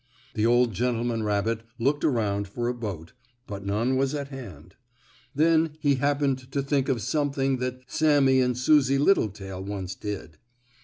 The old gentleman rabbit looked around for a boat, but none was at hand. Then he happened to think of something that Sammie and Susie Littletail once did.